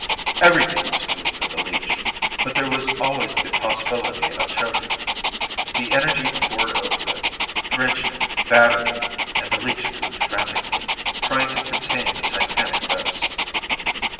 Everything was food for the leech, but there was always the possibility of choking. The energy poured over it, drenched it, battered it, and the leech grew frantically, trying to contain the titanic dose.